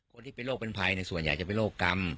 คนที่เป็นโรคเป็นภัยในส่วนใหญ่จะเป็นโรคกรรม